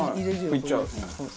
もういっちゃう？